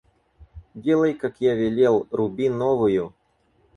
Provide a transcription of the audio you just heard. Делай, как я велел, — руби новую.